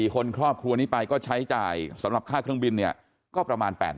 คนครอบครัวนี้ไปก็ใช้จ่ายสำหรับค่าเครื่องบินเนี่ยก็ประมาณ๘๐๐